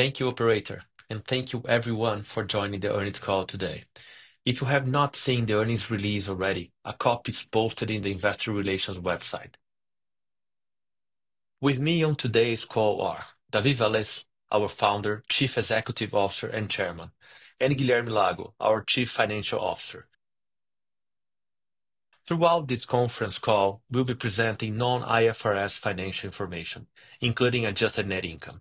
Thank you, operator, and thank you, everyone, for joining the earnings call today. If you have not seen the earnings release already, a copy is posted in the investor relations website. With me on today's call are David Vélez, our Founder, Chief Executive Officer and Chairman, and Guilherme Lago, our Chief Financial Officer. Throughout this conference call, we'll be presenting non-IFRS financial information, including adjusted net income.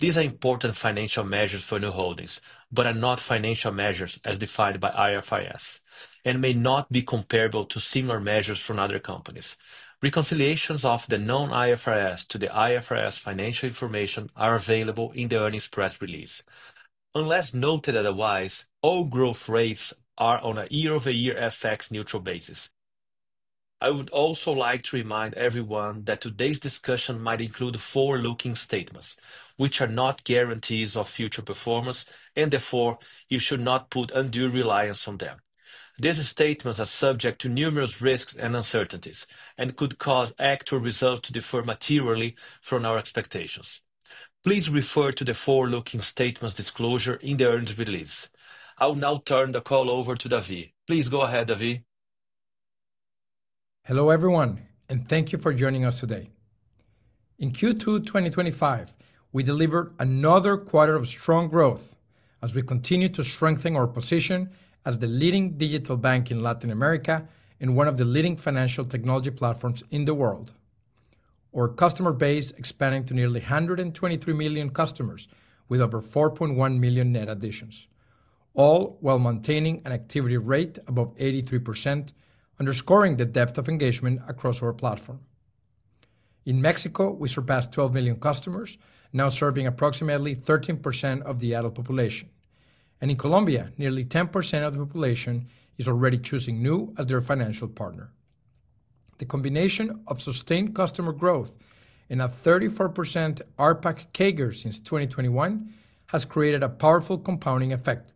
These are important financial measures for Nu Holdings, but are not financial measures as defined by IFRS and may not be comparable to similar measures from other companies. Reconciliations of the non-IFRS to the IFRS financial information are available in the earnings press release. Unless noted otherwise, all growth rates are on a year-over-year FX-neutral basis. I would also like to remind everyone that today's discussion might include forward-looking statements, which are not guarantees of future performance and therefore you should not put undue reliance on them. These statements are subject to numerous risks and uncertainties and could cause actual results to differ materially from our expectations. Please refer to the forward-looking statements disclosure in the earnings release. I will now turn the call over to David. Please, please go ahead. Hello everyone and thank you for joining us today. In Q2 2025 we delivered another quarter of strong growth as we continue to strengthen our position as the leading digital bank in Latin America and one of the leading financial technology platforms in the world. Our customer base expanding to nearly 123 million customers with over 4.1 million net additions, all while maintaining an activity rate above 83%, underscoring the depth of engagement across our platform. In Mexico, we surpassed 12 million customers, now serving approximately 13% of the adult population, and in Colombia, nearly 10% of the population is already choosing Nu as their financial partner. The combination of sustained customer growth and a 34% ARPAC CAGR since 2021 has created a powerful compounding effect,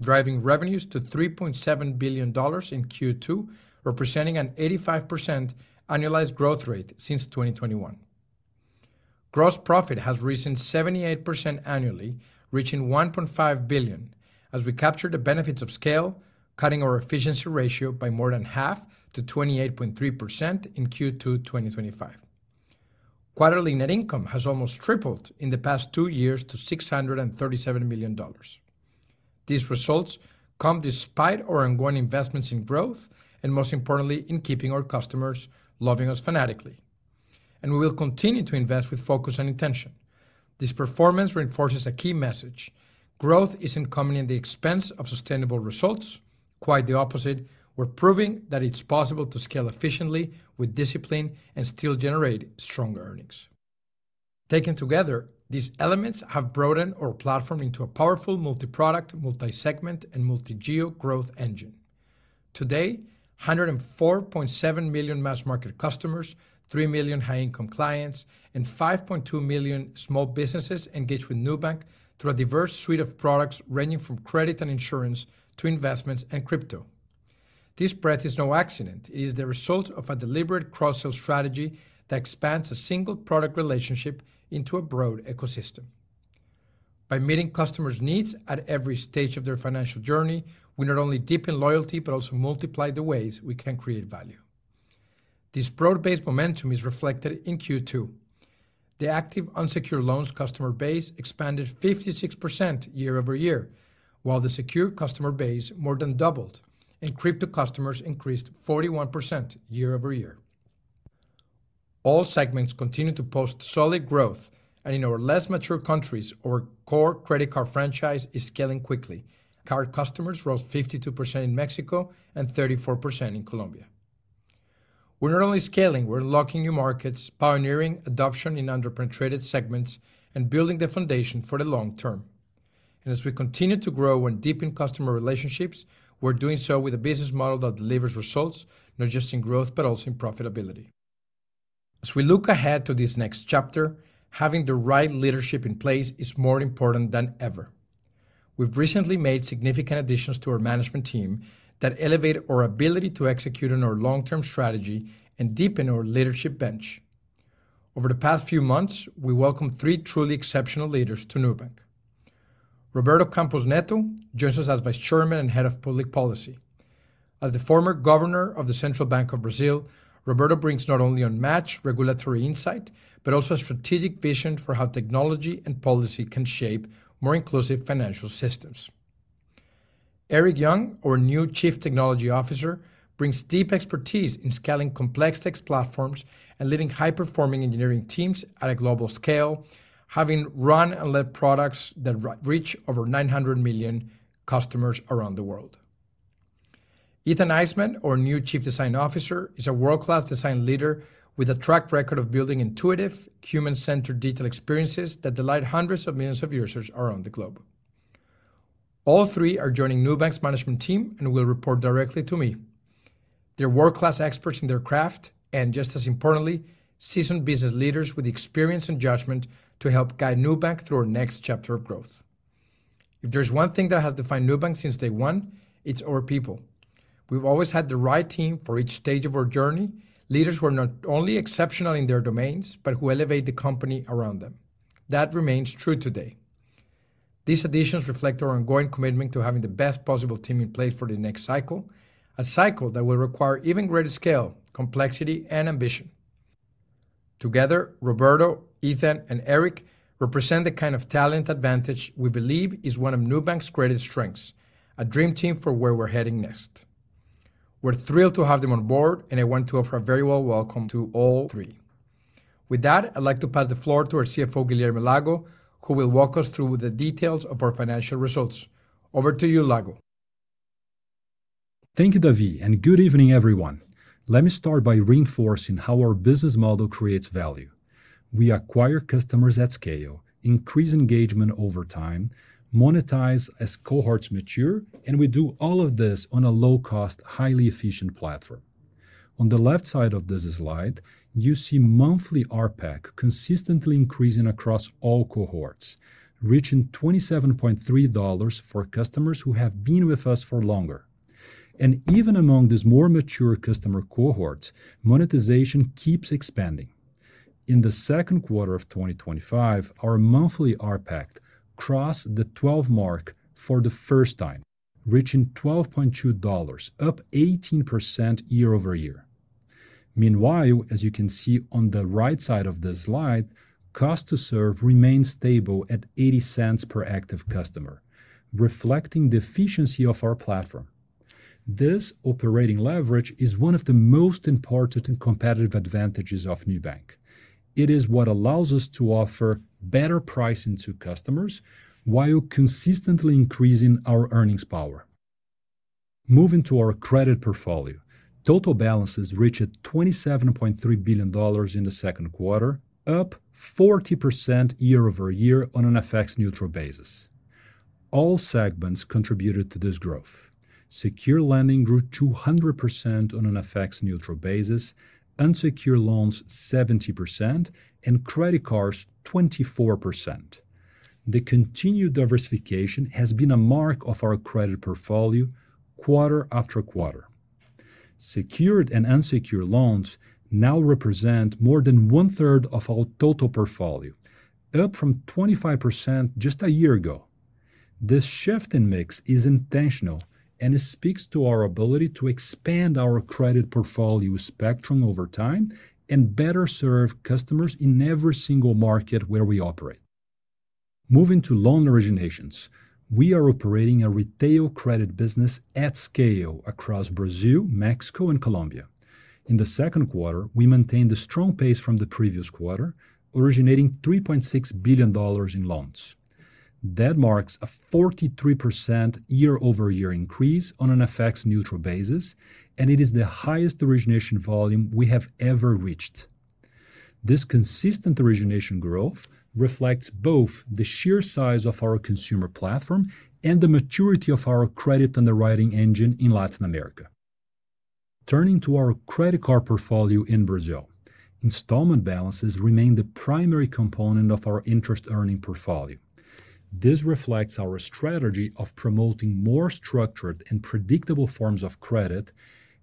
driving revenues to $3.7 billion in Q2, representing an 85% annualized growth rate. Since 2021, gross profit has risen 78% annually, reaching 1.5 billion as we captured the benefits of scale, cutting our efficiency ratio by more than half to 28.3%. In Q2 2025, quarterly net income has almost tripled in the past two years to $637 million. These results come despite our ongoing investments in growth and most importantly in keeping our customers loving us fanatically, and we will continue to invest with focus and intention. This performance reinforces a key message: growth isn't coming at the expense of sustainable results. Quite the opposite. We're proving that it's possible to scale efficiently with discipline and still generate strong earnings. Taken together, these elements have broadened our platform into a powerful multi-product, multi-segment, and multi-geo growth engine. Today, 104.7 million mass market customers, 3 million high income clients, and 5.2 million small businesses engage with Nubank through a diverse suite of products ranging from credit and insurance to investments and crypto. This breadth is no accident. It is the result of a deliberate cross-sell strategy that expands a single product relationship into a broad ecosystem. By meeting customers' needs at every stage of their financial journey, we not only deepen loyalty but also multiply the ways we can create value. This broad-based momentum is reflected in Q2. The active unsecured loans customer base expanded 56% year-over-year while the secured customer base more than doubled and crypto customers increased 41% year-over-year. All segments continue to post solid growth. In our less mature countries, our core credit card franchise is scaling quickly. Card customers rose 52% in Mexico and 34% in Colombia. We’re not only scaling, we’re unlocking new markets, pioneering adoption in underpenetrated segments, and building the foundation for the long term. As we continue to grow and deepen customer relationships, we’re doing so with a business model that delivers results not just in growth, but also in profitability. As we look ahead to this next chapter, having the right leadership in place is more important than ever. We’ve recently made significant additions to our management team that elevate our ability to execute on our long-term strategy and deepen our leadership bench. Over the past few months, we welcomed three truly exceptional leaders to Nubank. Roberto Campos Neto joins us as Vice Chairman and Head of Public Policy. As the former Governor of the Central Bank of Brazil, Roberto brings not only unmatched regulatory insight, but also a strategic vision for how technology and policy can shape more inclusive financial systems. Eric Young, our new Chief Technology Officer, brings deep expertise in scaling complex platforms and leading high-performing engineering teams at a global scale, having run and led products that reach over 900 million customers around the world. Ethan Eismann, our new Chief Design Officer, is a world-class design leader with a track record of building intuitive, human-centered, detailed experiences that delight hundreds of millions of users around the globe. All three are joining Nubank's management team and will report directly to me. They’re world-class experts in their craft and, just as importantly, seasoned business leaders with experience and judgment to help guide Nubank through our next chapter of growth. If there’s one thing that Nubank since day one, it’s our people. We’ve always had the right team for each stage of our journey, leaders who are not only exceptional in their domains, but who elevate the company around them. That remains true today. These additions reflect our ongoing commitment to having the best possible team in place for the next cycle, a cycle that will require even greater scale, complexity, and ambition. Together, Roberto, Ethan, and Eric represent the kind of talent advantage we believe is Nubank's greatest strengths. A dream team for where we’re heading next. We're thrilled to have them on board, and I want to offer a very warm welcome to all three. With that, I'd like to pass the floor to our CFO, Guilherme Lago, who will walk us through the details of our financial results. Over to you, Lago. Thank you, David, and good evening everyone. Let me start by reinforcing how our business model creates value. We acquire customers at scale, increase engagement over time, monetize as cohorts mature, and we do all of this on a low-cost, highly efficient platform. On the left side of this slide, you see monthly ARPAC consistently increasing across all cohorts, reaching $27.30 for customers who have been with us for longer. Even among these more mature customer cohorts, monetization keeps expanding. In the second quarter of 2025, our monthly ARPAC crossed the 12th mark for the first time, reaching $12.20, up 18% year-over-year. Meanwhile, as you can see on the right side of the slide, cost to serve remains stable at $0.80 per active customer, reflecting the efficiency of our platform. This operating leverage is one of the most important and competitive advantages of Nubank, and it is what allows us to offer better pricing to customers while consistently increasing our earnings power. Moving to our credit portfolio, total balances reached $27.3 billion in the second quarter, up 40% year-over-year. On an FX-neutral basis, all segments contributed to this growth. Secured lending grew 200% on an FX-neutral basis, unsecured loans 70%, and credit cards 24%. The continued diversification has been a mark of our credit portfolio quarter after quarter. Secured and unsecured loans now represent more than one third of our total portfolio, up from 25% just a year ago. This shift in mix is intentional and speaks to our ability to expand our credit portfolio spectrum over time and better serve customers in every single market where we operate. Moving to loan originations, we are operating a retail credit business at scale across Brazil, Mexico, and Colombia. In the second quarter, we maintained a strong pace from the previous quarter, originating $3.6 billion in loans. That marks a 43% year-over-year increase on an FX-neutral basis, and it is the highest origination volume we have ever reached. This consistent origination growth reflects both the sheer size of our consumer platform and the maturity of our credit underwriting engine in Latin America. Turning to our credit card portfolio in Brazil, installment balances remain the primary component of our interest earning portfolio. This reflects our strategy of promoting more structured and predictable forms of credit,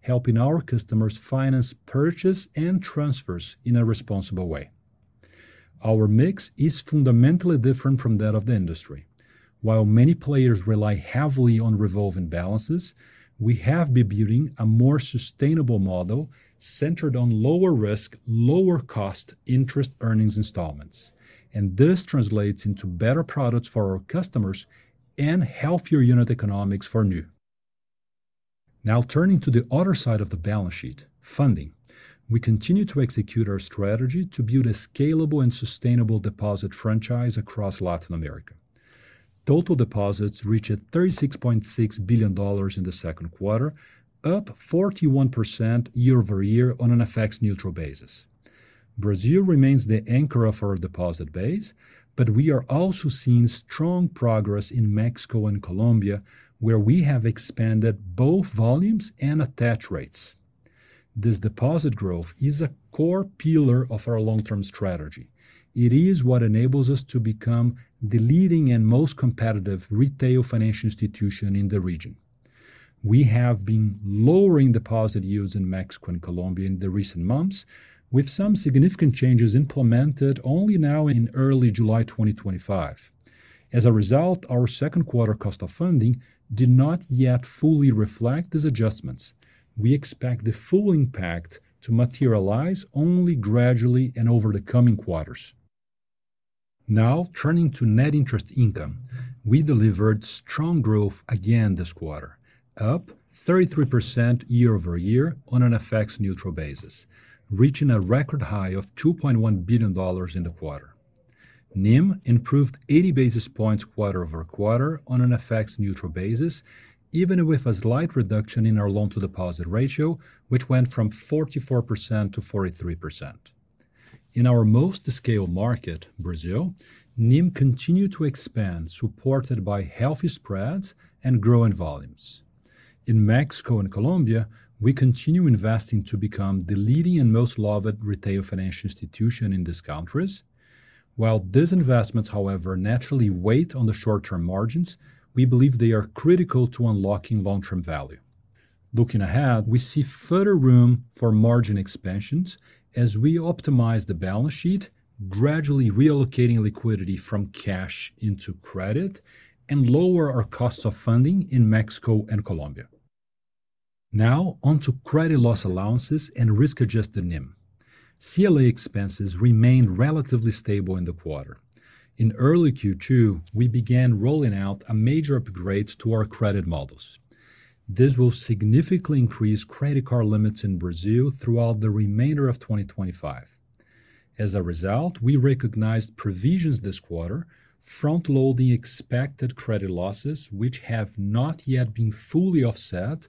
helping our customers finance purchase and transfers in a responsible way. Our mix is fundamentally different from that of the industry. While many players rely heavily on revolving balances, we have been building a more sustainable model centered on lower risk, lower cost interest earnings, installments, and this translates into better products for our customers and healthier unit economics for Nu. Now turning to the other side of the balance sheet, funding, we continue to execute our strategy to build a scalable and sustainable deposit franchise across Latin America. Total deposits reached $36.6 billion in the second quarter, up 41% year-over-year on an FX-neutral basis. Brazil remains the anchor of our deposit base, but we are also seeing strong progress in Mexico and Colombia where we have expanded both volumes and attach rates. This deposit growth is a core pillar of our long term strategy. It is what enables us to become the leading and most competitive retail financial institution in the region. We have been lowering deposit yields in Mexico and Colombia in recent months with some significant changes implemented only now in early July 2025. As a result, our second quarter cost of funding did not yet fully reflect these adjustments. We expect the full impact to materialize only gradually and over the coming quarters. Now turning to net interest income, we delivered strong growth again this quarter, up 33% year-over-year on an FX-neutral basis, reaching a record high of $2.1 billion in the quarter. Net interest margin improved 80 basis points quarter-over-quarter on an FX-neutral basis. Even with a slight reduction in our loan to deposit ratio, which went from 44% to 43% in our most scaled market, Brazil, net interest margin continued to expand supported by healthy spreads and growing volumes. In Mexico and Colombia, we continue investing to become the leading and most loved retail financial institution in these countries. While these investments, however, naturally weigh on the short term margins, we believe they are critical to unlocking long term value. Looking ahead, we see further room for margin expansions as we optimize the balance sheet, gradually reallocating liquidity from cash into credit and lower our cost of funding in Mexico and Colombia. Now onto credit loss allowances and risk-adjusted NIM. CLA expenses remained relatively stable in the quarter. In early Q2, we began rolling out a major upgrade to our credit models. This will significantly increase credit card limits in Brazil throughout the remainder of 2025. As a result, we recognized provisions this quarter, front loading expected credit losses which have not yet been fully offset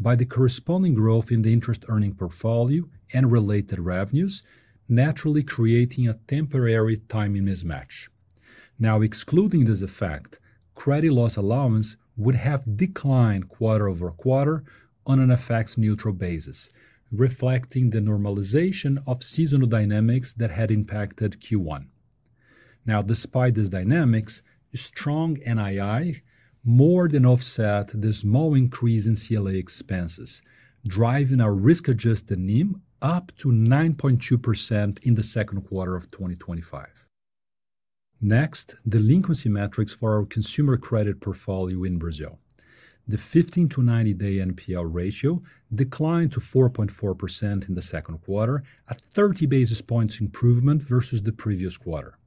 by the corresponding growth in the interest-earning portfolio and related revenues, naturally creating a temporary timing mismatch. Excluding this effect, credit loss allowance would have declined quarter over quarter on an FX-neutral basis, reflecting the normalization of seasonal dynamics that had impacted Q1. Despite these dynamics, strong NII more than offset the small increase in CLA expenses, driving our risk-adjusted NIM up to 9.2% in the second quarter of 2025. Next, delinquency metrics for our consumer credit portfolio in Brazil. The 15 to 90 day NPL ratio declined to 4.4% in the second quarter, a 30 basis points improvement versus the previous quarter.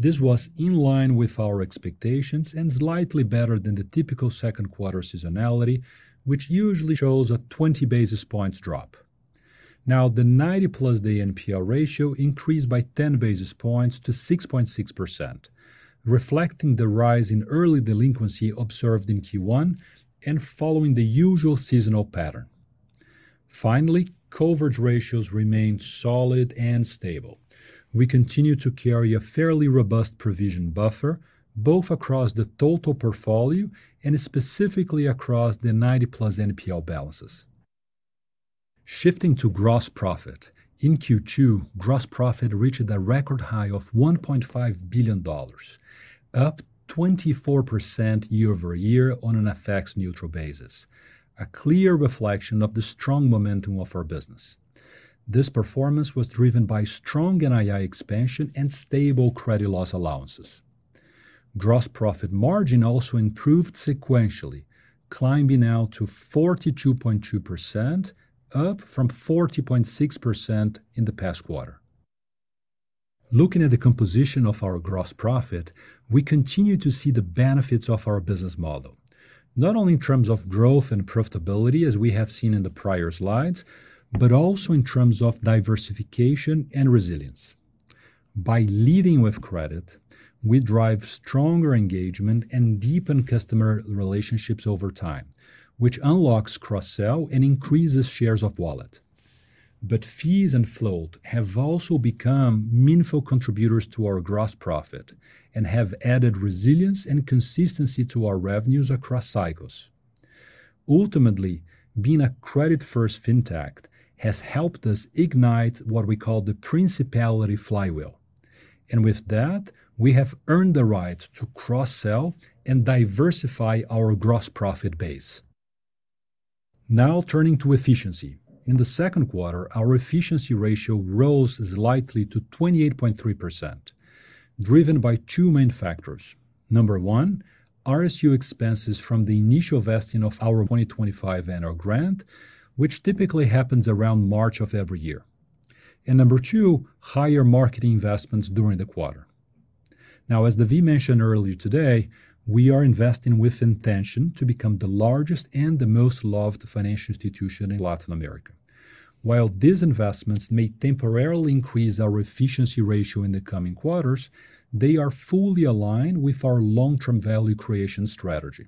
This was in line with our expectations and slightly better than the typical second quarter seasonality, which usually shows a 20 basis points drop. The 90+ day NPL ratio increased by 10 basis points to 6.6%, reflecting the rise in early delinquency observed in Q1 and following the usual seasonal pattern. Finally, coverage ratios remained solid and stable. We continue to carry a fairly robust provision buffer both across the total portfolio and specifically across the 90+ day NPL balances. Shifting to gross profit in Q2, gross profit reached a record high of $1.5 billion, up 24% year-over-year on an FX-neutral basis, a clear reflection of the strong momentum of our business. This performance was driven by strong NII expansion and stable credit loss allowances. Gross profit margin also improved sequentially, climbing now to 42.2%, up from 40.6% in the past quarter. Looking at the composition of our gross profit, we continue to see the benefits of our business model not only in terms of growth and profitability as we have seen in the prior slides, but also in terms of diversification and resilience. By leading with credit, we drive stronger engagement and deepen customer relationships over time, which unlocks cross-sell and increases share of wallet. Fees and float have also become meaningful contributors to our gross profit and have added resilience and consistency to our revenues across cycles. Ultimately, being a credit-first FinTech has helped us ignite what we call the Principality flywheel, and with that, we have earned the right to cross-sell and diversify our gross profit base. Now, turning to efficiency, in the second quarter our efficiency ratio rose slightly to 28.3%, driven by two main factors. Number one, RSU expenses from the initial vesting of our 2025 annual grant, which typically happens around March of every year, and number two, higher market investments during the quarter. As David mentioned earlier, today we are investing with intention to become the largest and the most loved financial institution in Latin America. While these investments may temporarily increase our efficiency ratio in the coming quarters, they are fully aligned with our long-term value creation strategy.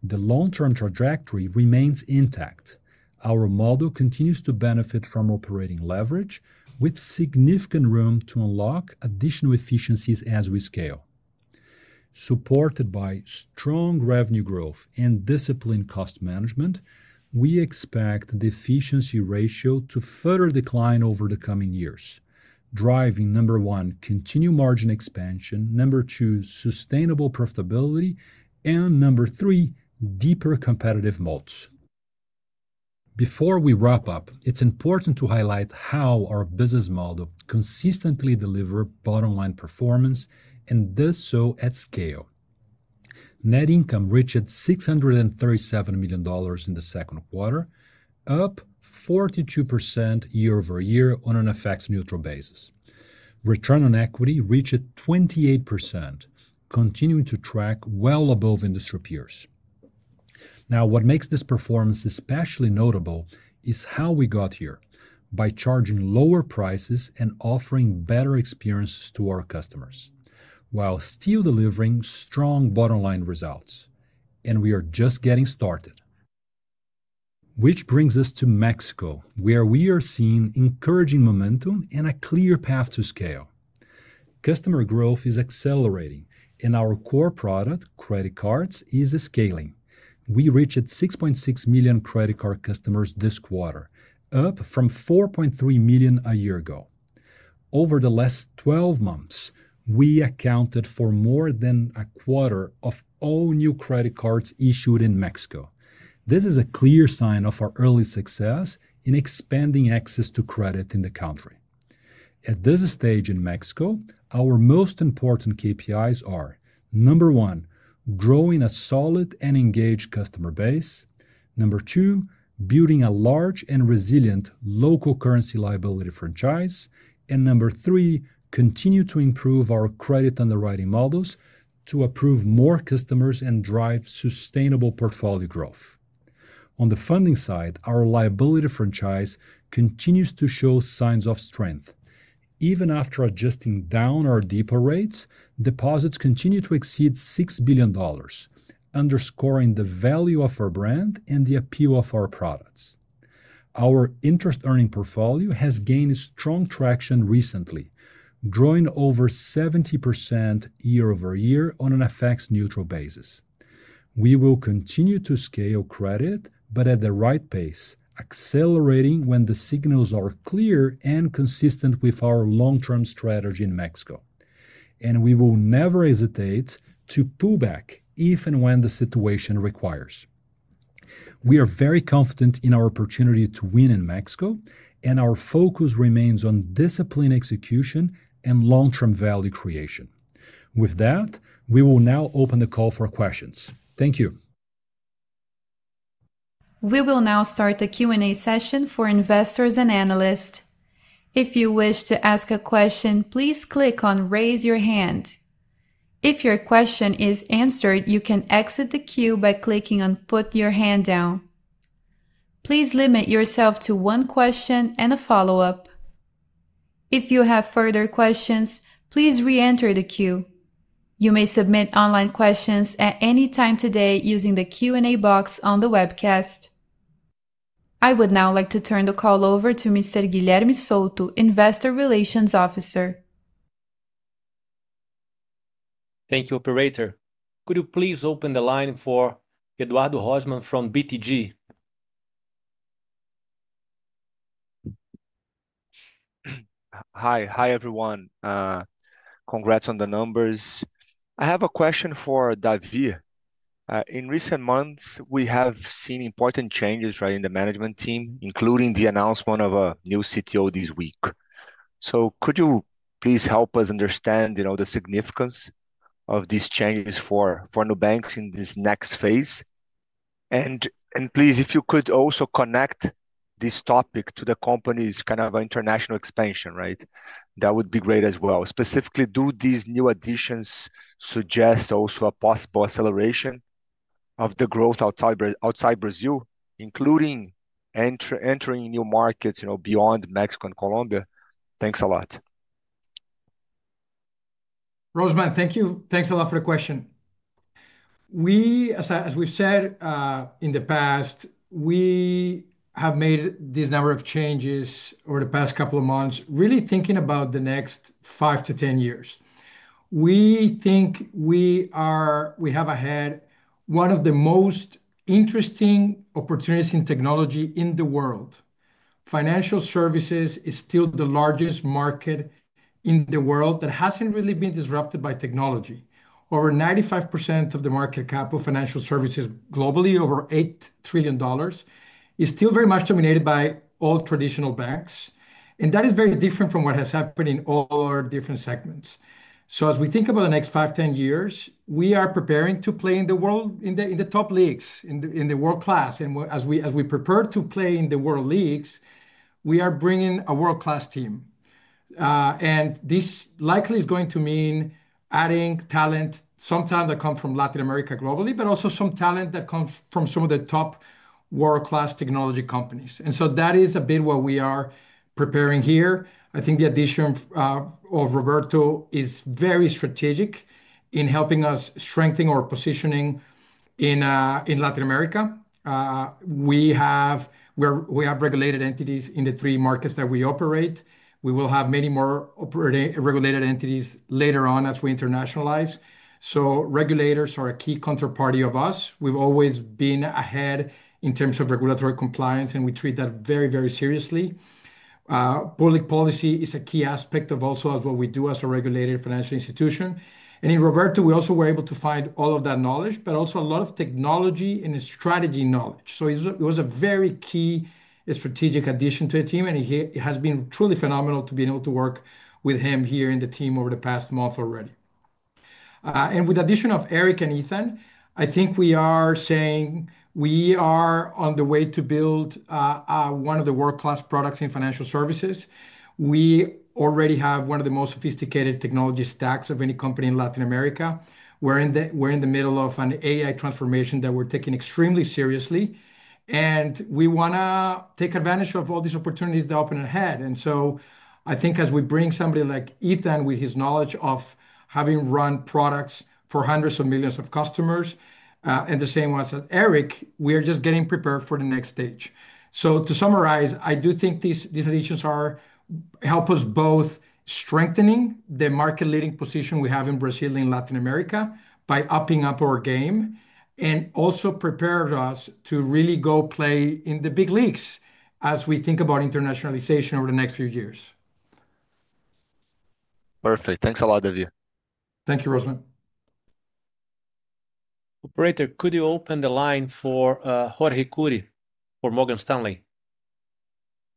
The long-term trajectory remains intact. Our model continues to benefit from operating leverage, with significant room to unlock additional efficiencies as we scale, supported by strong revenue growth and disciplined cost management. We expect the efficiency ratio to further decline over the coming years, driving number one, continued margin expansion, number two, sustainable profitability, and number three, deeper competitive moat. Before we wrap up, it's important to highlight how our business model consistently delivers bottom-line performance and does so at scale. Net income reached $637 million in the second quarter, up 42% year-over-year on an FX-neutral basis. Return on equity reached 28%, continuing to track well above industry peers. What makes this performance especially notable is how we got here by charging lower prices and offering better experiences to our customers while still delivering strong bottom-line results. We are just getting started, which brings us to Mexico, where we are seeing encouraging momentum and a clear path to scale. Customer growth is accelerating and our core product, credit cards, is scaling. We reached 6.6 million credit card customers this quarter, up from 4.3 million a year ago. Over the last 12 months, we accounted for more than a quarter of all new credit cards issued in Mexico. This is a clear sign of our early success in expanding access to credit in the country at this stage in Mexico. Our most important KPIs: number one, growing a solid and engaged customer base; number two, building a large and resilient local currency liability franchise; and number three, continue to improve our credit underwriting models to approve more customers and drive sustainable portfolio growth. On the funding side, our liability franchise continues to show signs of strength, and even after adjusting down our deposit rates, deposits continue to exceed $6 billion, underscoring the value of our brand and the appeal of our products. Our interest-earning portfolio has gained strong traction recently, growing over 70% year-over-year on an FX-neutral basis. We will continue to scale credit but at the right pace, accelerating when the signals are clear and consistent with our long-term strategy in Mexico, and we will never hesitate to pull back if and when the situation requires. We are very confident in our opportunity to win in Mexico, and our focus remains on disciplined execution and long-term value creation. With that, we will now open the call for questions. Thank you. We will now start the Q and A session for investors and analysts. If you wish to ask a question, please click on raise your hand. If your question is answered, you can exit the queue by clicking on put your hand down. Please limit yourself to one question and a follow up. If you have further questions, please re-enter the queue. You may submit online questions at any time today using the Q and A box on the webcast. I would now like to turn the call over to Mr. Guilherme Souto, Investor Relations Officer. Thank you, operator, could you please open the line for Eduardo Rosman from BTG? Hi. Hi everyone. Congrats on the numbers. I have a question for David. In recent months we have seen important changes in the management team, including the announcement of a new CTO this week. Could you please help us understand the significance of these changes for Nubanks in this next phase? If you could also connect this topic to the company's kind of international expansion, right. That would be great as well. Specifically, do these new additions suggest also a possible acceleration of the growth outside Brazil, including entering new markets beyond Mexico and Colombia? Thanks a lot. Thank you. Thanks a lot for the question. As we've said in the past, we have made these number of changes over the past couple of months. Really thinking about the next five to 10 years. We think we are, we have ahead one of the most interesting opportunities in technology in the world. Financial services is still the largest market in the world. That hasn't really been disrupted by technology. Over 95% of the market capital financial services business globally, over $8 trillion, is still very much dominated by all traditional banks. That is very different from what has happened in all our different segments. As we think about the next five, 10 years, we are preparing to play in the world, in the top leagues, in the world class. As we prepare to play in the world leagues, we are bringing a world class team. This likely is going to mean adding talent sometimes that come from Latin America globally, but also some talent that comes from some of the top world class technology companies. That is a bit what we are preparing here. I think the addition of Roberto is very strategic in helping us strengthen our positioning in Latin America. We have regulated entities in the three markets that we operate. We will have many more regulated entities later on as we internationalize. Regulators are a key counterparty of us. We've always been ahead in terms of regulatory compliance and we treat that very, very seriously. Public policy is a key aspect of also what we do as a regulated financial institution. In Roberto we also were able to find all of that knowledge, but also a lot of technology and strategy knowledge. It was a very key strategic addition to the team and it has been truly phenomenal to be able to work with him here in the team over the past month already. With addition of Eric and Ethan, I think we are saying we are on the way to build one of the world class products in financial services. We already have one of the most sophisticated technology stacks of any company in Latin America. We're in the middle of an AI transformation that we're taking extremely seriously and we want to take advantage of all these opportunities the opponent had. I think as we bring somebody like Ethan, with his knowledge of having run products for hundreds of millions of customers and the same as Eric, we are just getting prepared for the next stage. To summarize, I do think these additions help us both strengthening the market leading position we have in Brazil and Latin America by upping up our game and also prepared us to really go play in the big leagues as we think about internationalization over the next few years. Perfect. Thanks, a lot of you. Thank you. Rosman. Operator, could you open the line for Jorge Kuri for Morgan Stanley?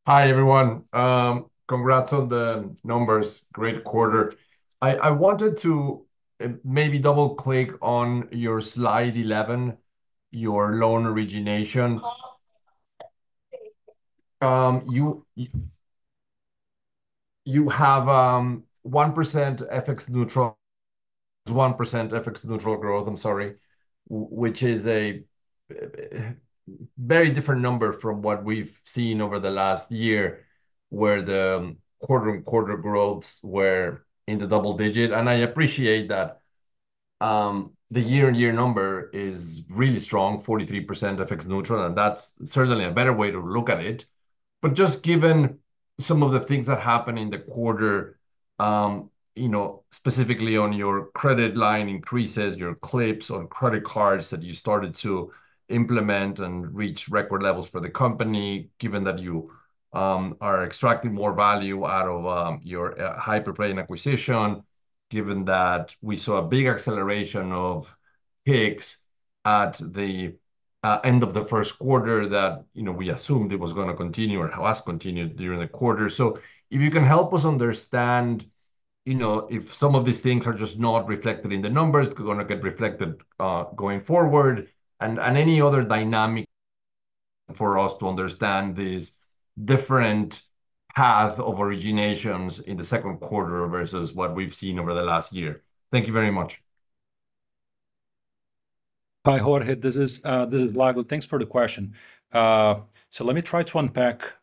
Hi everyone. Congrats on the numbers. Great quarter. I wanted to maybe double click on your slide 11, your loan origination. You have 1% FX-neutral, 1% FX-neutral growth, which is a very different number from what we've seen over the last year where the quarter-on-quarter growths were in the double digit. I appreciate that the year-on-year number is really strong, 43% FX-neutral, and that's certainly a better way to look at it. Just given some of the things that happened in the quarter, specifically on your credit line increases, your clips on credit cards that you started to implement and reach record levels for the company, given that you are extracting more value out of your hyperplaying acquisition, given that we saw a big acceleration of Pix at the end of the first quarter, that we assumed it was going to continue or continue during the quarter. If you can help us understand if some of these things are just not reflected in the numbers, going to get reflected going forward, and any other dynamic for us to understand these different path of originations in the second quarter versus what we've seen over the last year. Thank you very much. Hi, Jorge, this is Lago. Thanks for the question. Let me try to unpack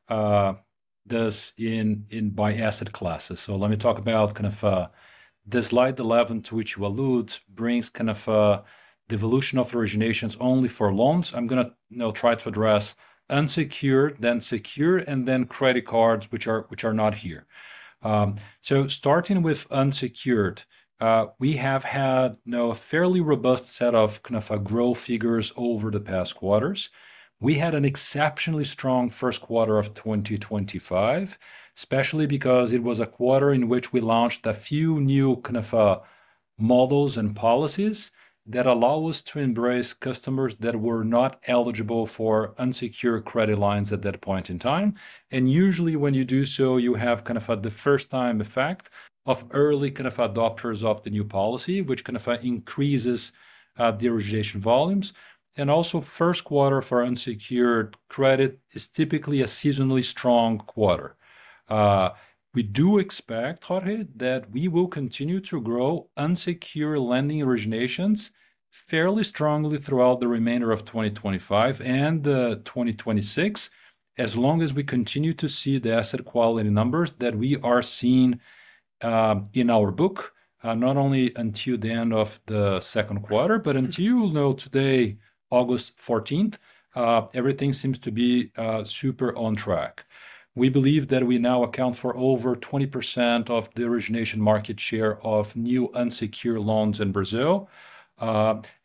this in biased classes. Let me talk about kind of this slide 11 to which you allude, brings kind of the evolution of originations only for loans. I'm going to try to address unsecured, then secured, and then credit cards which are not here. Starting with unsecured, we have had a fairly robust set of growth figures over the past quarters. We had an exceptionally strong first quarter of 2025, especially because it was a quarter in which we launched a few new kind of models and policies that allow us to embrace customers that were not eligible for unsecured credit lines at that point in time. Usually when you do so, you have kind of the first time effect of early kind of adopters of the new policy, which increases the origination volumes. Also, first quarter for unsecured credit is typically a seasonally strong quarter. We do expect, Jorge, that we will continue to grow unsecured lending originations and fairly strongly throughout the remainder of 2025 and 2026, as long as we continue to see the asset quality numbers that we are seeing in our book, not only until the end of the second quarter, but until now. Today, August 14th, everything seems to be super on track. We believe that we now account for over 20% of the origination market share of new unsecured loans in Brazil.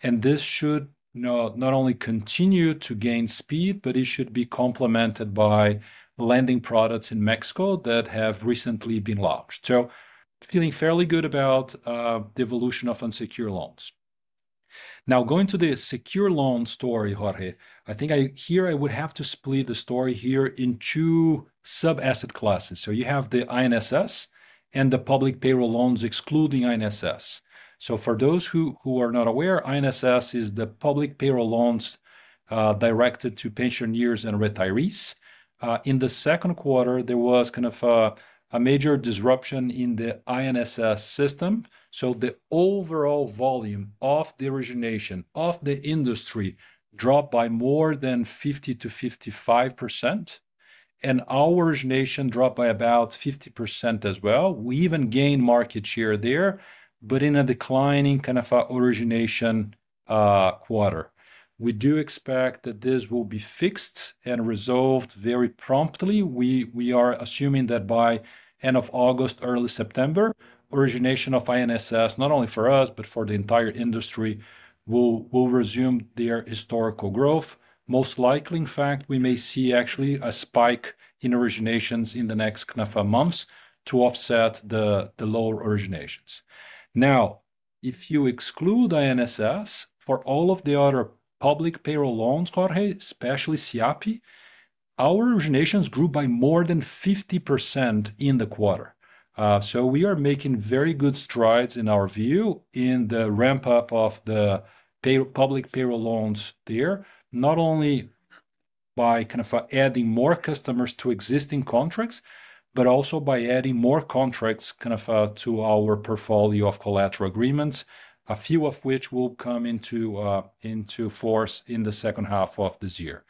This should not only continue to gain speed, but it should be complemented by lending products in Mexico that have recently been launched. Feeling fairly good about the evolution of unsecured loans, now going to the secure loan story, Jorge, I think here I would have to split the story here in two sub asset classes. You have the INSS and the public payroll loans excluding INSS. For those who are not aware, INSS is the public payroll loans directed to pensioners and retirees. In the second quarter, there was a major disruption in the INSS system. The overall volume of the origination of the industry dropped by more than 50%-55%, and our origination dropped by about 50% as well. We even gained market share there. In a declining kind of origination quarter, we do expect that this will be fixed and resolved very promptly. We are assuming that by end of August, early September, origination of INSS, not only for us but for the entire industry, will resume their historical growth. Most likely, in fact, we may see actually a spike in originations in the next months to offset the lower originations. Now, if you exclude INSS, for all of the other public payroll loans, Jorge, especially SIAPE, our originations grew by more than 50% in the quarter. We are making very good strides in our view in the ramp up of the public payroll loans there, not only by adding more customers to existing contracts, but also by adding more contracts to our portfolio of collateral agreements, a few of which will come into force in the second half of this year.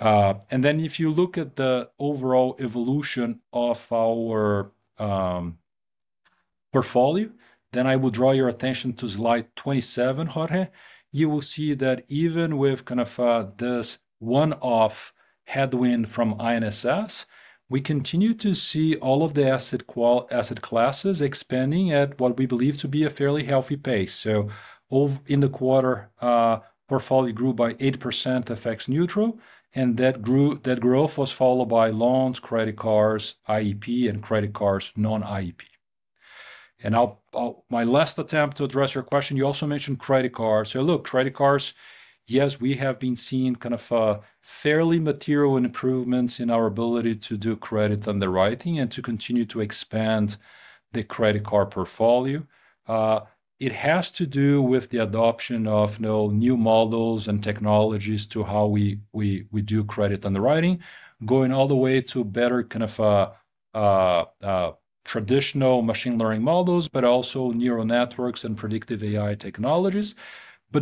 If you look at the overall evolution of our portfolio, I will draw your attention to slide 27, Jorge. You will see that even with this one-off headwind from INSS, we continue to see all of the asset classes expanding at what we believe to be a fairly healthy pace. In the quarter, portfolio grew by 80% FX-neutral. That growth was followed by loans, credit cards, IEP and credit cards, non-IEP. My last attempt to address your question, you also mentioned credit cards. Look, credit cards, yes, we have been seeing fairly material improvements in our ability to do credit underwriting and to continue to expand the credit card portfolio. It has to do with the adoption of new models and technologies to how we do credit underwriting, going all the way to better traditional machine learning models, but also neural networks and predictive AI technologies.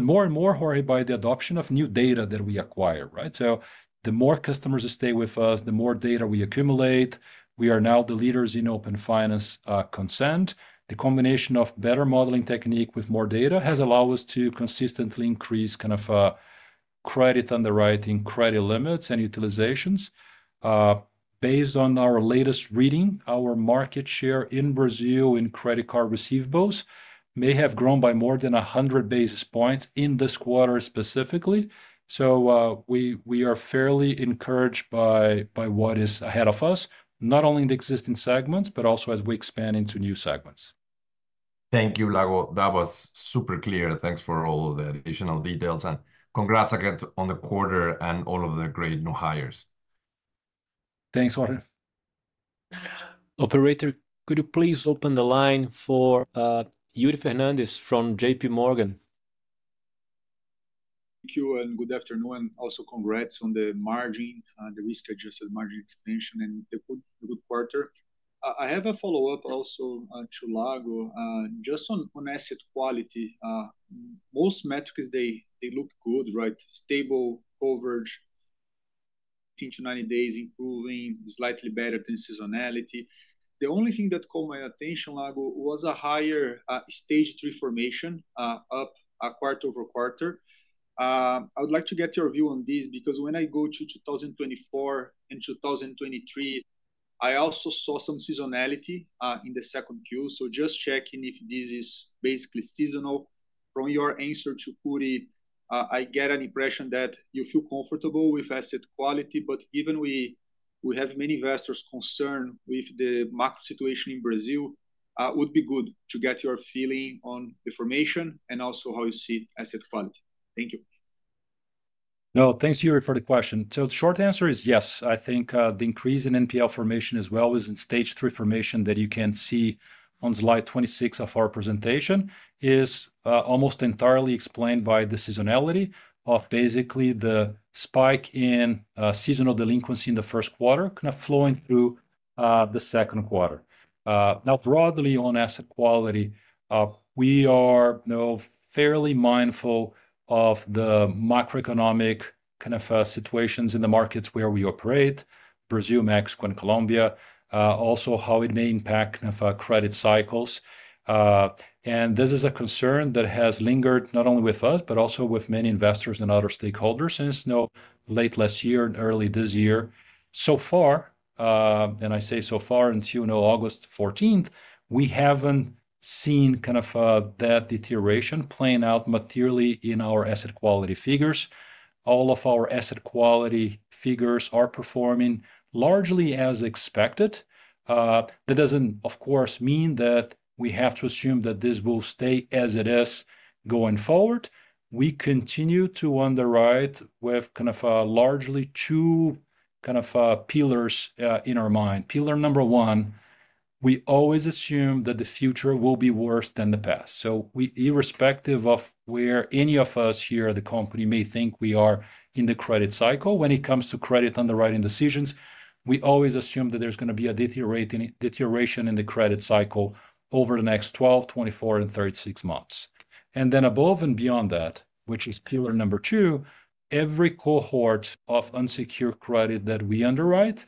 More and more, Jorge, by the adoption of new data that we acquire. The more customers that stay with us, the more data we accumulate. We are now the leaders in open finance consent. The combination of better modeling technique with more data has allowed us to consistently increase credit underwriting, credit limits, and utilizations. Based on our latest reading, our market share in Brazil in credit card receivables may have grown by more than 100 basis points in this quarter specifically. We are fairly encouraged by what is ahead of us, not only in the existing segments, but also as we expand into new segments. Thank you, Lago. That was super clear. Thanks for all the additional details and congrats again on the quarter and all of the great new hires. Thanks, Jorge. Operator, could you please open the line for Yuri Fernandes from JPMorgan? Thank you and good afternoon. Also, congrats on the margin, the risk-adjusted net interest margin expansion, and a good quarter. I have a follow-up also to Lago, just on asset quality. Most metrics look good, right? Stable coverage into 90 days, improving slightly better than seasonality. The only thing that caught my attention was a higher stage three formation up quarter over quarter. I would like to get your view on this because when I go to 2024 and 2023, I also saw some seasonality in the second quarter. Just checking if this is basically seasonal. From your answer to Jorge, I get an impression that you feel comfortable with asset quality, but given we have many investors concerned with the macro situation in Brazil, it would be good to get your feeling on information and also how you see asset fund. Thank you. No, thanks Yuri, for the question. The short answer is yes. I think the increase in NPL formation as well as in stage three formation that you can see on slide 26 of our presentation is almost entirely explained by the seasonality of basically the spike in seasonal delinquency in the first quarter kind of flowing through the second quarter. Now, broadly on asset quality, we are fairly mindful of the macroeconomic kind of situations in the markets where we operate, Brazil, Mexico, and Colombia. Also, how it may impact credit cycles. This is a concern that has lingered not only with us, but also with many investors and other stakeholders. Since late last year and early this year so far, and I say so far until August 14th, we haven't seen that deterioration playing out materially in our asset quality figures. All of our asset quality figures are performing largely as expected. That doesn't, of course, mean that we have to assume that this will stay as it is going forward. We continue to underwrite with largely two pillars in our mind. Pillar number one, we always assume that the future will be worse than the past. Irrespective of where any of us here at the company may think we are in the credit cycle, when it comes to credit underwriting decisions, we always assume that there's going to be a deterioration in the credit cycle over the next 12, 24, and 36 months. Above and beyond that, which is pillar number two, every cohort of unsecured credit that we underwrite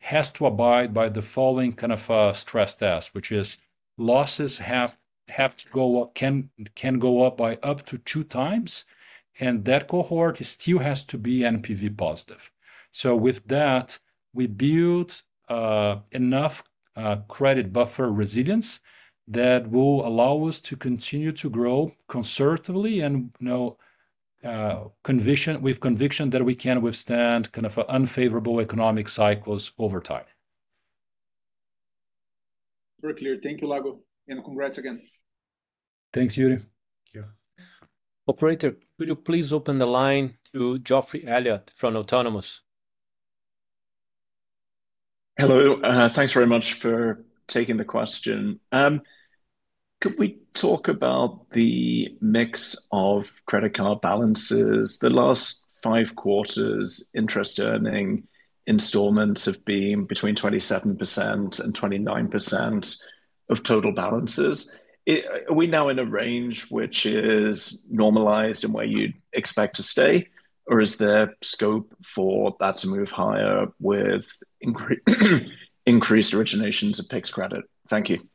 has to abide by the following stress test, which is losses can go up by up to two times and that cohort still has to be NPV positive. With that, we build enough credit buffer resilience that will allow us to continue to grow conservatively and with conviction that we can withstand unfavorable economic cycles over time. Very clear. Thank you, Lago, and congrats again. Thanks, Yuri. Operator, could you please open the line to Geoffrey Elliott from Autonomous? Hello, thanks very much for taking the question. Could we talk about the mix of credit card balances? The last five quarters interest earning installments have been between 27% and 29% of total balances. Are we now in a range, which is normalized and where you expect to stay or is there scope for that to move higher with increased originations of private payroll loans credit? Thank you.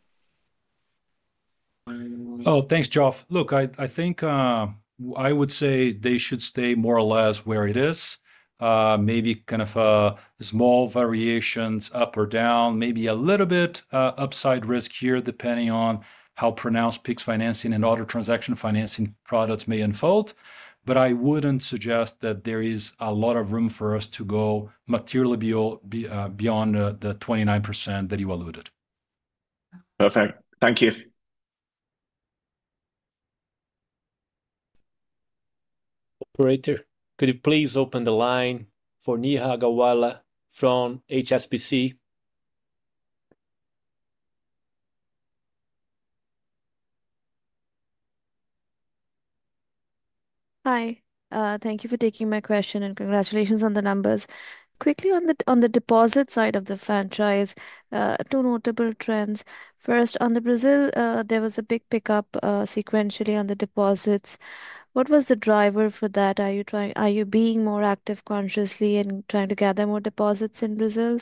Oh, thanks Geoff. Look, I think I would say they should stay more or less where it is. Maybe kind of small variations up or down, maybe a little bit upside risk here depending on how pronounced Pix financing and other transaction financing products may unfold. I wouldn't suggest that there is a lot of room for us to go materially beyond the 29% that you alluded. Perfect, thank you. Operator, could you please open the line for Neha Agarwala from HSBC? Hi, thank you for taking my question and congratulations on the numbers. Quickly, on the deposit side of the franchise, two notable trends. First, on Brazil there was a big pickup sequentially on the deposits. What was the driver for that? Are you being more active consciously and trying to gather more deposits in Brazil?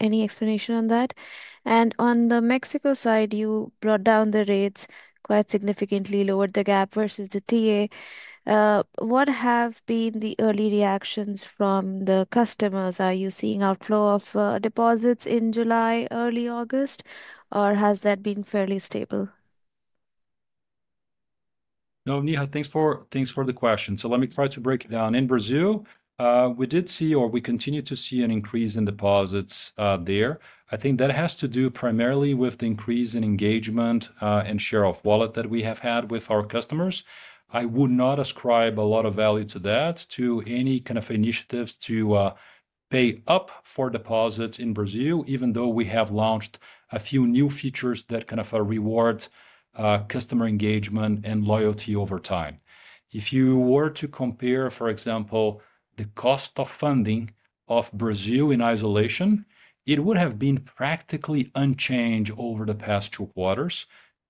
Any explanation on that? On the Mexico side, you brought down the rates quite significantly, lowered the gap versus the TA. What have been the early reactions from the customers? Are you seeing outflow of deposits in July, early August, or has that been fairly stable? No, Neha, thanks for the question. Let me try to break it down. In Brazil, we did see, or we continue to see, an increase in deposits there. I think that has to do primarily with the increase in engagement and share of wallet that we have had with our customers. I would not ascribe a lot of value to that to any kind of initiatives to pay up for deposits in Brazil, even though we have launched a few new features that reward customer engagement and loyalty over time. If you were to compare, for example, the cost of funding of Brazil in isolation, it would have been practically unchanged over the past two quarters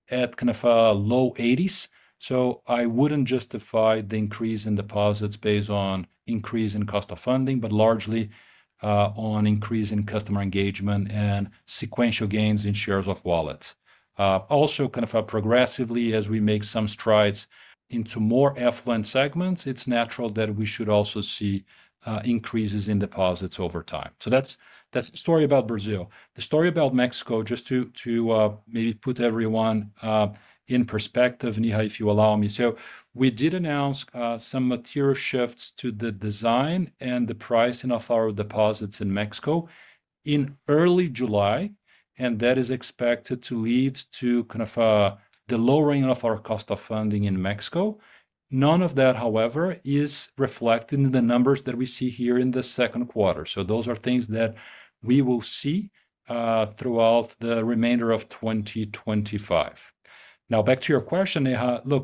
at kind of a low 80s. I wouldn't justify the increase in deposits based on increase in cost of funding, but largely on increasing customer engagement and sequential gains in shares of wallets. Also, progressively, as we make some strides into more affluent segments, it's natural that we should also see increases in deposits over time. That's the story about Brazil. The story about Mexico, just to maybe put everyone in perspective, Neha, if you allow me. We did announce some material shifts to the design and the pricing of our deposits in Mexico in early July and that is expected to lead to the lowering of our cost of funding in Mexico. None of that, however, is reflected in the numbers that we see here in the second quarter. Those are things that we will see throughout the remainder of 2025. Now back to your question.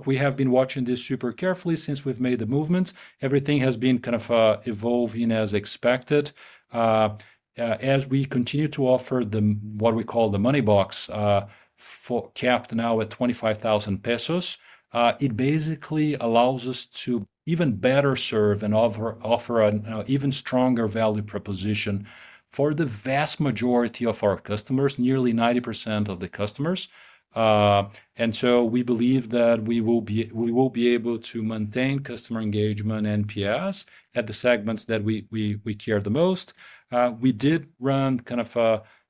We have been watching this super carefully since we've made the movements. Everything has been evolving as expected as we continue to offer what we call the Money Box, capped now at [25,000 pesos]. It basically allows us to even better serve and offer an even stronger value proposition for the vast majority of our customers, nearly 90% of the customers. We believe that we will be able to maintain customer engagement NPS at the segments that we care the most. We did run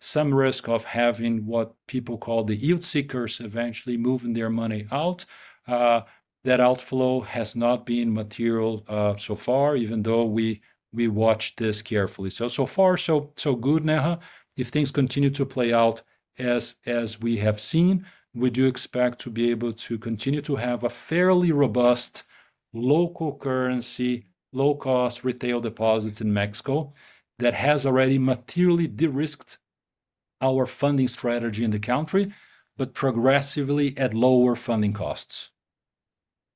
some risk of having what people call the yield seekers eventually moving their money out. That outflow has not been material so far, even though we watched this carefully. So far so good, Neha. If things continue to play out as we have seen, we do expect to be able to continue to have a fairly robust local currency, low cost retail deposits in Mexico that has already materially de-risked our funding strategy in the country, but progressively at lower funding costs.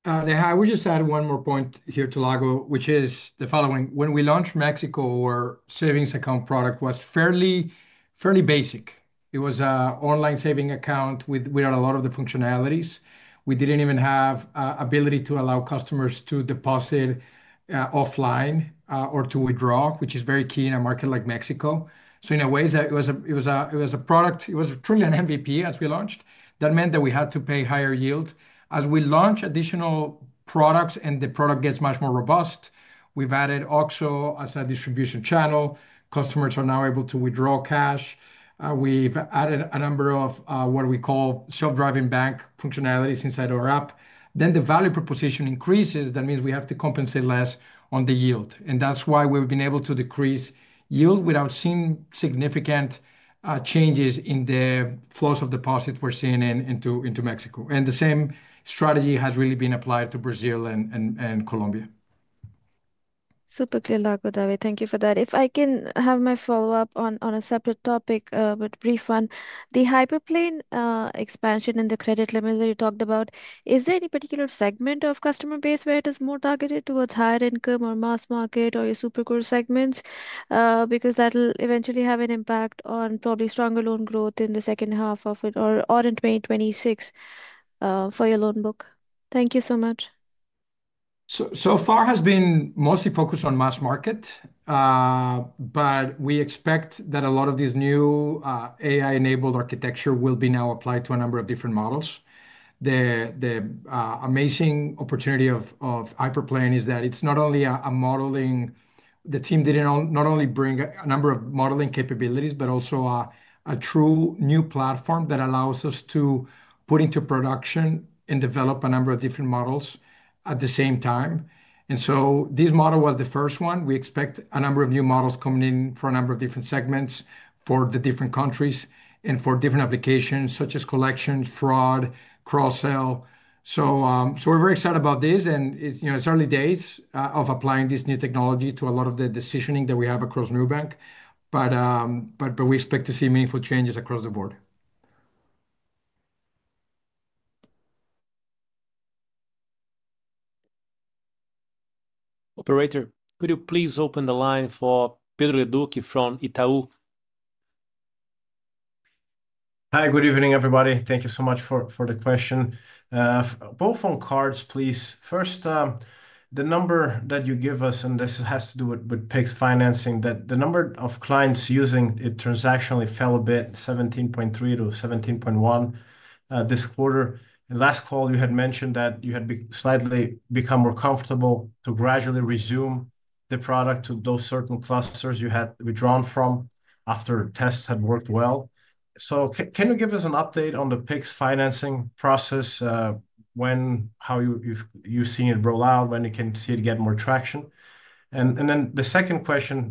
Neha, I would just add one more point here to Lago, which is the following. When we launched Mexico, our savings account product was fairly, fairly basic. It was an online savings account. We had a lot of the functionalities. We did not even have ability to allow customers to deposit offline or to withdraw, which is very key in a market like Mexico. In a way it was a product, it was truly an MVP. As we launched, that meant that we had to pay higher yield. As we launch additional products and the product gets much more robust, we have added OXXO as a distribution channel. Customers are now able to withdraw cash. We have added a number of what we call self-driving bank functionalities inside our app. The value proposition increases. That means we have to compensate less on the yield, and that is why we have been able to decrease yield without seeing significant changes in the flows of deposits we are seeing into Mexico. The same strategy has really been applied to Brazil and Colombia. Super clear, Lago. Thank you for that. If I can have my follow-up on a separate topic, but brief one, the Hyperplane expansion in the credit limit that you talked about. Is there any particular segment of customer base where it is more targeted towards higher income or mass market or your super core segments? That will eventually have an impact on probably stronger loan growth in the second half of it or in May 2026 for your loan book. Thank you so much. So far has been mostly focused on mass market, but we expect that a lot of these ne`w AI-enabled architecture will be now applied to a number of different models. The amazing opportunity of Hyperplane is that it's not only a modeling. The team did not only bring a number of modeling capabilities, but also a true new platform that allows us to put into production and develop a number of different models at the same time. This model was the first one. We expect a number of new models coming in for a number of different segments for the different countries and for different applications such as collections, fraud, cross sell. We're very excited about this and it's early days of applying this new technology to a lot of the decisioning that we have across Nubank. We expect to see meaningful changes across the board. Operator, could you please open the line for Pedro Leduc from Itaú? Hi, good evening everybody. Thank you so much for the question. Both on credit cards, please. First, the number that you give us, and this has to do with Pix financing, that the number of clients using it transactionally fell a bit, 17.3% to 17.1% this quarter. Last call you had mentioned that you had slightly become more comfortable to gradually resume the product to those certain clusters you had withdrawn from after tests had worked well. Can you give us an update on the Pix financing process, when, how you've seen it roll out, when you can see it get more traction? The second question,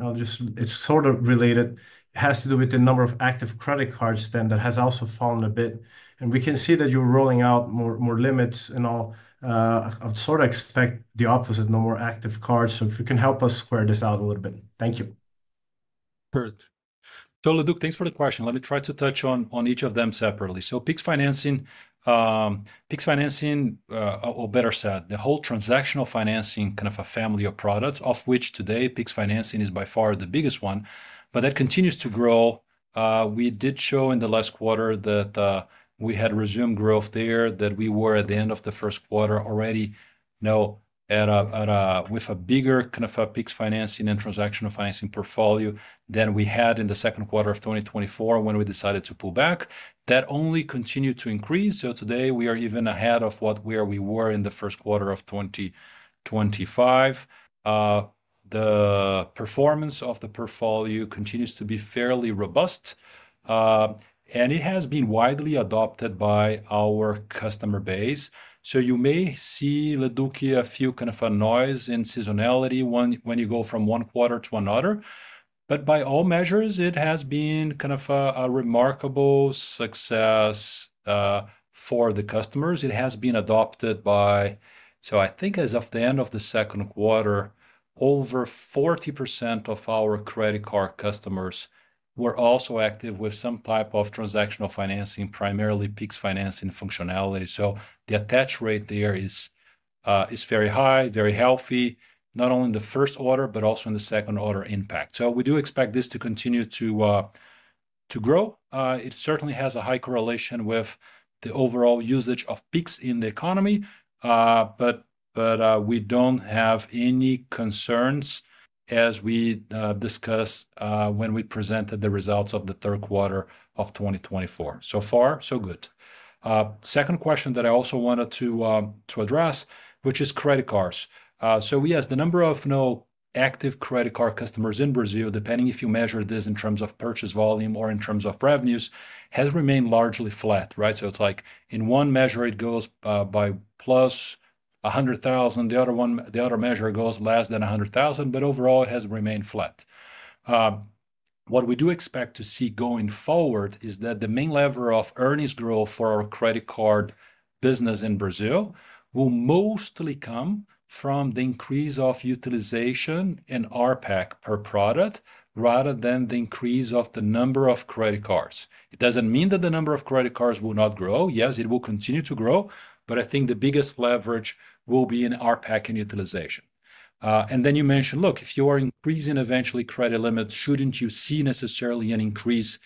it's sort of related to it, has to do with the number of active credit cards. That has also fallen a bit and we can see that you're rolling out more limits and all. I would sort of expect the opposite, more active cards. If you can help us square this out a little bit. Thank you. Perfect. Leduc, thanks for the question. Let me try to touch on each of them separately. Pix financing, or better said, the whole transactional financing kind of a family of products, of which today Pix financing is by far the biggest one. That continues to grow. We did show in the last quarter that we had resumed growth there, that we were at the end of the first quarter already with a bigger kind of a Pix financing and transactional financing portfolio than we had in the second quarter of 2024 when we decided to pull back, that only continued to increase. Today we are even ahead of where we were in the first quarter of 2025. The performance of the portfolio continues to be fairly robust and it has been widely adopted by our customer base. You may see a little bit of noise in seasonality when you go from one quarter to another, but by all measures it has been kind of a remarkable success for the customers it has been adopted by. I think as of the end of the second quarter, over 40% of our credit card customers were also active with some type of transactional financing, primarily Pix financing functionality. The attach rate there is very high, very healthy, not only in the first order, but also in the second order impact. We do expect this to continue to grow. It certainly has a high correlation with the overall usage of Pix in the economy. We don't have any concerns as we discussed when we presented the results of the third quarter of 2024. So far, so good. Second question that I also wanted to address, which is credit cards. Yes, the number of active credit card customers in Brazil, depending if you measure this in terms of purchase volume or in terms of revenues, has remained largely flat. In one measure it goes by +100,000, the other measure goes less than 100,000, but overall it has remained flat. What we do expect to see going forward is that the main lever of earnings growth for our credit card business in Brazil will mostly come from the increase of utilization in ARPAC per product rather than the increase of the number of credit cards. It doesn't mean that the number of credit cards will not grow. Yes, it will continue to grow, but I think the biggest leverage will be in our packing utilization. You mentioned, look, if you are increasing eventually credit limit, shouldn't you see necessarily an increase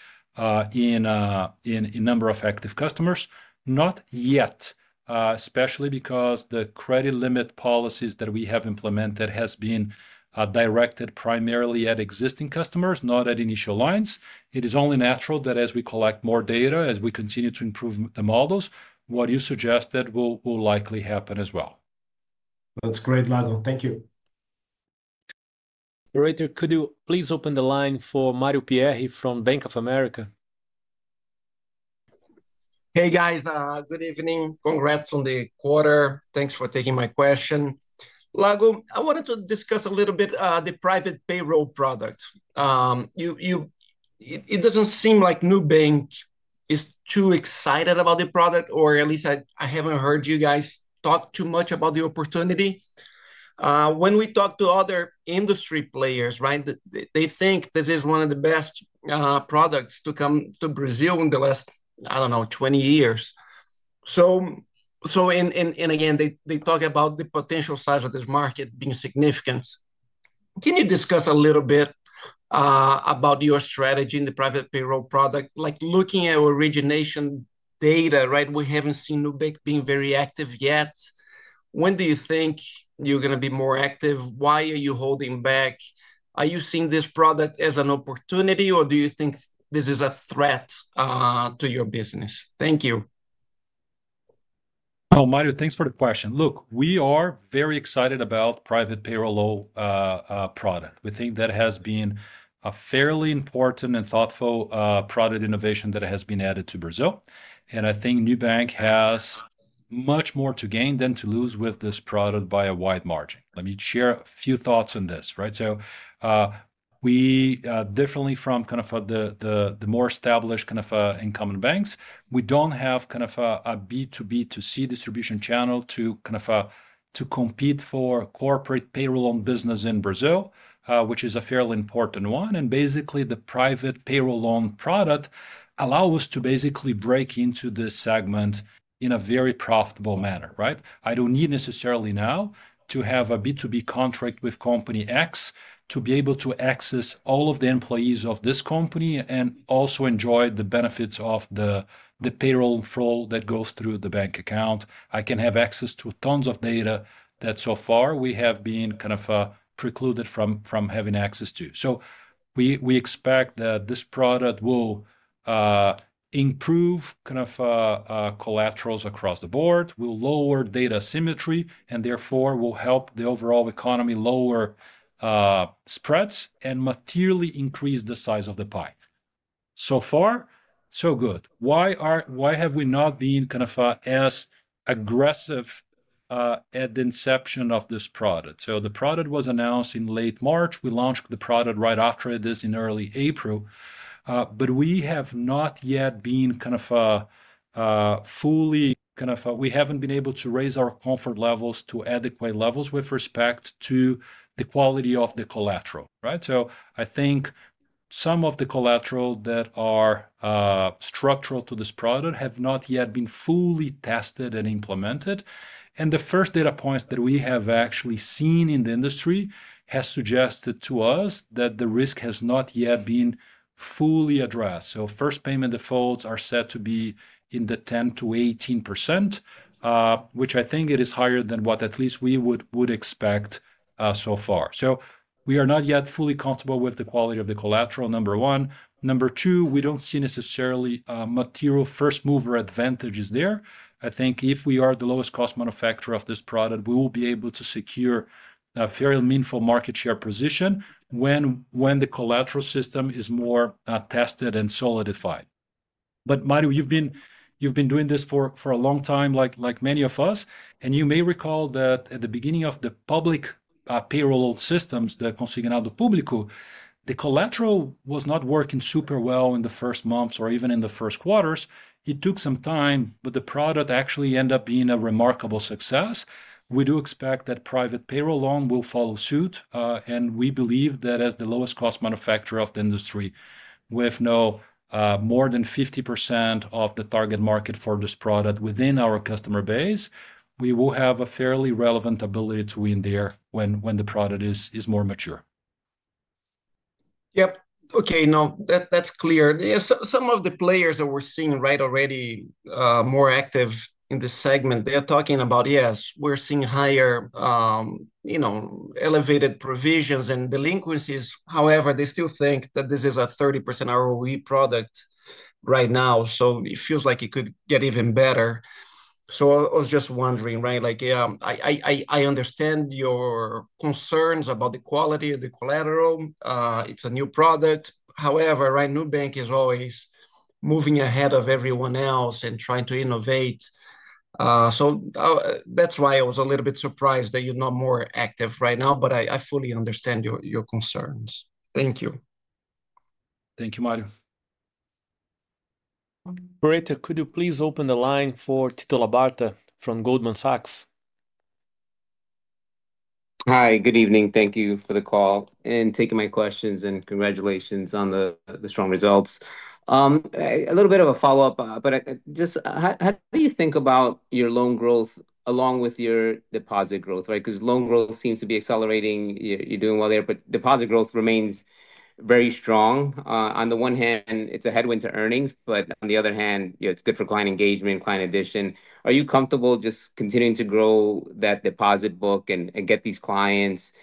in number of active customers? Not yet. Especially because the credit limit policies that we have implemented have been directed primarily at existing customers, not at initial lines. It is only natural that as we collect more data, as we continue to improve the models, what you suggested will likely happen as well. That's great, Lago, thank you. Operator, could you please open the line for Mario Pierry from Bank of America? Hey guys, good evening. Congrats on the quarter. Thanks for taking my question, Lago. I wanted to discuss a little bit the private payroll product. It doesn't seem like Nubank is too excited about the product or at least I haven't heard you guys talk too much about the opportunity. When we talk to other industry players, they think this is one of the best products to come to Brazil in the last, I don't know, 20 years. They talk about the potential size of this market being significant. Can you discuss a little bit about your strategy in the private payroll product? Like looking at origination data we haven't seen Nubank being very active yet. When do you think you're going to be more active? Why are you holding back? Are you seeing this product as an opportunity or do you think this is a threat to your business? Thank you. Oh, Mario, thanks for the question. Look, we are very excited about the private payroll product. We think that has been a fairly important and thoughtful product innovation that has been added to Brazil. I think Nubank has much more to gain than to lose with this product by a wide margin. Let me share a few thoughts on this, right? We definitely, from kind of the more established kind of incoming banks, we don't have a B2B2C distribution channel to compete for corporate payroll loan business in Brazil, which is a fairly important one. Basically, the private payroll loan product allows us to break into this segment in a very profitable manner. I don't need necessarily now to have a B2B contract with company X to be able to access all of the employees of this company and also enjoy the benefits of the payroll flow that goes through the bank account. I can have access to tons of data that so far we have been precluded from having access to. We expect that this product will improve collaterals across the board, will lower data asymmetry and therefore will help the overall economy lower spreads and materially increase the size of the pie. So far, so good. Why have we not been as aggressive at the inception of this product? The product was announced in late March. We launched the product right after this in early April. We have not yet been fully able to raise our comfort levels to adequate levels with respect to the quality of the collateral. I think some of the collateral that are structural to this product have not yet been fully tested and implemented. The first data points that we have actually seen in the industry have suggested to us that the risk has not yet been fully addressed. First payment defaults are said to be in the 10%-18%, which I think is higher than what at least we would expect so far. We are not yet fully comfortable with the quality of the collateral, number one. Number two, we don't see necessarily material first mover advantages there. I think if we are the lowest cost manufacturer of this product, we will be able to secure a fairly meaningful market share position when the collateral system is more tested and solidified. Mario, you've been doing this for a long time like many of us, and you may recall that at the beginning of the public payroll systems, the consignado publico, the collateral was not working super well in the first months or even in the first quarters. It took some time, but the product actually ended up being a remarkable success. We do expect that private payroll loan will follow suit and we believe that as the lowest cost manufacturer of the industry, with more than 50% of the target market for this product within our customer base, we will have a fairly relevant ability to win there when the product is more mature. Yep. Okay, now that's clear. Some of the players that we're seeing, right, already more active in this segment, are talking about, yes, we're seeing higher, you know, elevated provisions and delinquencies. However, they still think that this is a 30% ROE product right now. It feels like it could get even better. I was just wondering, right, like I understand your concerns about the quality of the collateral. It's a new product, however, right. Nubank is always moving ahead of everyone else and trying to innovate. That's why I was a little bit surprised that you're not more active right now. I fully understand your concerns. Thank you. Thank you, Mario. Operator, could you please open the line for Tito Labarta from Goldman Sachs? Hi, good evening. Thank you for the call and taking my questions, and congratulations on the strong results. A little bit of a follow-up. How do you think about your loan growth along with your deposit growth? Loan growth seems to be accelerating. You're doing well there, but deposit growth remains very strong. On the one hand, it's a headwind to earnings, but on the other hand, it's good for client engagement and client addition. Are you comfortable just continuing to grow that deposit book and get these clients,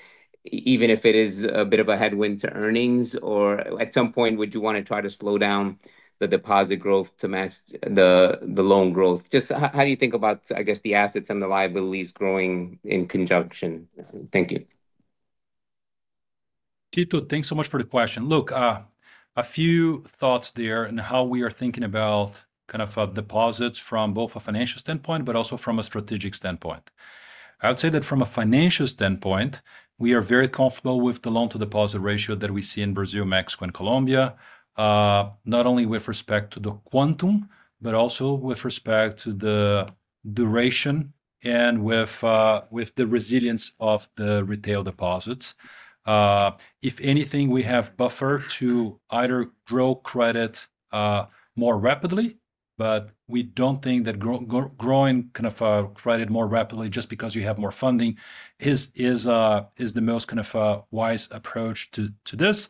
even if it is a bit of a headwind to earnings, or at some point would you want to try to slow down the deposit growth to match the loan growth? How do you think about the assets and the liabilities growing in conjunction? Thank you. Tito, thanks so much for the question. Look, a few thoughts there on how we are thinking about deposits from both a financial standpoint and a strategic standpoint. I would say that from a financial standpoint, we are very comfortable with the loan to deposit ratio that we see in Brazil, Mexico, and Colombia, not only with respect to the quantum but also with respect to the duration and with the resilience of the retail deposits. If anything, we have buffer to either grow credit more rapidly, but we don't think that growing credit more rapidly just because you have more funding is the most wise approach to this,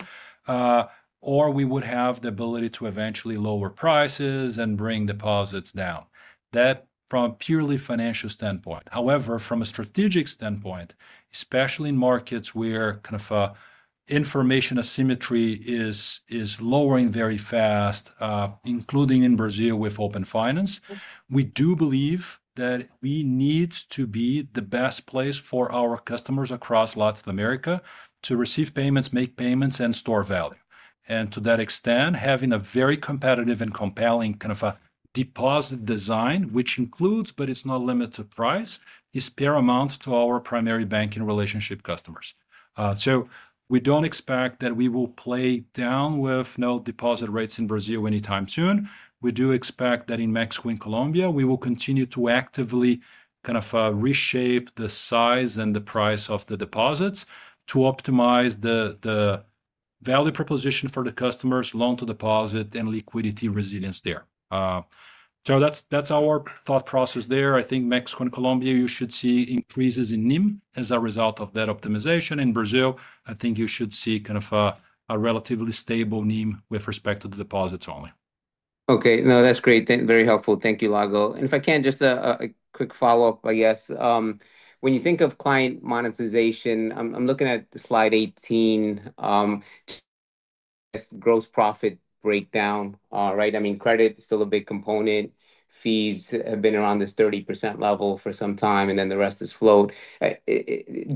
or we would have the ability to eventually lower prices and bring deposits down. That is from a purely financial standpoint. However, from a strategic standpoint, especially in markets where information asymmetry is lowering very fast, including in Brazil with Open Finance, we do believe that we need to be the best place for our customers across Latin America to receive payments, make payments, and store value. To that extent, having a very competitive and compelling kind of a deposit design, which includes but is not limited to price, is paramount to our primary banking relationship customers. We don't expect that we will play down with no deposit rates in Brazil anytime soon. We do expect that in Mexico and Colombia, we will continue to actively reshape the size and the price of the deposits and to optimize the value proposition for the customers' loan to deposit and liquidity resilience there. That's our thought process there. I think in Mexico and Colombia, you should see increases in NIM as a result of that optimization. In Brazil, I think you should see kind of a relatively stable NIM with respect to the deposits only. Okay, no, that's great. Very helpful. Thank you, Lago. If I can just a quick follow up, I guess when you think of client monetization, I'm looking at the slide 18, gross profit breakdown, right? I mean, credit is still a big component. Fees have been around this 30% level for some time, and then the rest is float.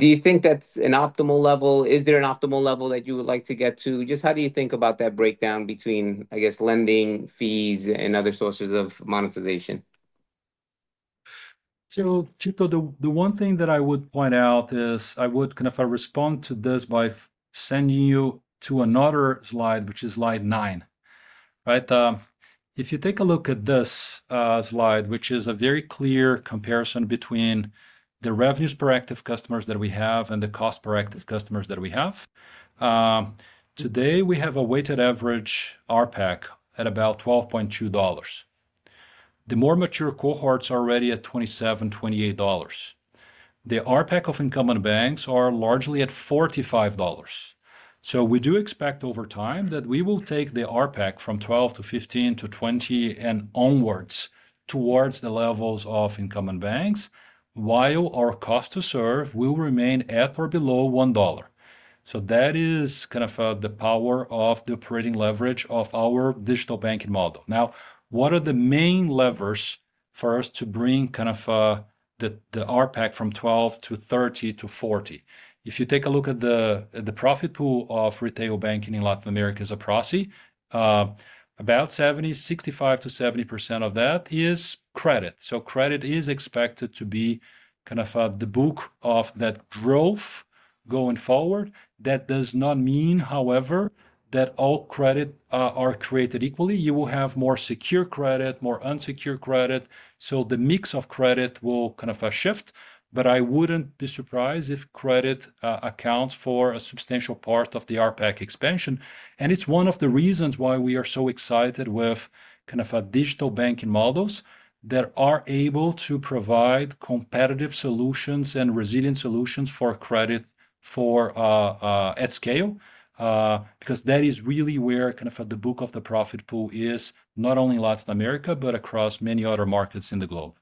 Do you think that's an optimal level? Is there an optimal level that you would like to get to? Just how do you think about that breakdown between, I guess, lending fees and other sources of monetization? Tito, the one thing that I would point out is I would kind of respond to this by sending you to another slide, which is slide 9, right? If you take a look at this slide, which is a very clear comparison between the revenues per active customers that we have and the cost per active customers that we have today, we have a weighted average ARPAC at about $12.2. The more mature cohorts are already at $27-$28. The ARPAC of incumbent banks are largely at $45. We do expect over time that we will take the ARPAC from $12 to $15 to $20 and onwards towards the levels of incumbent banks, while our cost to serve will remain at or below $1. That is kind of the power of the operating leverage of our digital banking model. Now, what are the main levers for us to bring kind of the ARPAC from $12 to $30 to $40? If you take a look at the profit pool of retail banking in Latin America as a proxy, about 65%-70% of that is credit. Credit is expected to be kind of the book of that growth going forward. That does not mean, however, that all credit are created equally. You will have more secure credit, more unsecured credit. The mix of credit will kind of shift. I wouldn't be surprised if credit accounts for a substantial part of the ARPAC expansion. It's one of the reasons why we are so excited with kind of digital banking models that are able to provide competitive solutions and resilient solutions for credit at scale because that is really where kind of at the book of the profit pool is not only in Latin America, but across many other markets in the globe.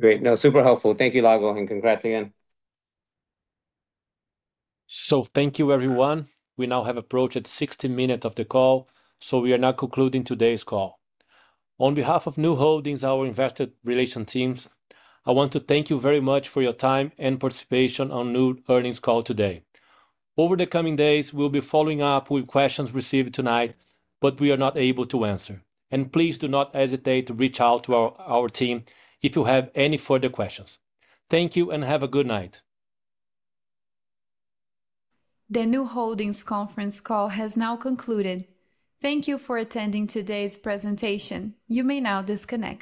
Great. No, super helpful. Thank you, Lago, and congrats again. Thank you everyone. We now have approached 60 minutes of the call. We are now concluding today's call. On behalf of Nu Holdings, our investor relations teams, I want to thank you very much for your time and participation on Nu earnings call today. Over the coming days, we'll be following up with questions received tonight that we are not able to answer. Please do not hesitate to reach out to our team if you have any further questions. Thank you and have a good night. The Nu Holdings conference call has now concluded. Thank you for attending today's presentation. You may now disconnect.